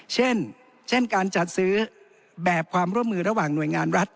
เช่นเช่นการจัดซื้อแบบความร่วมมือระหว่างหน่วยงานรัฐ